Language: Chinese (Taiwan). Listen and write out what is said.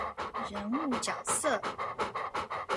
人物角色